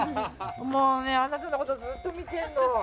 あなたのことずっと見てるの。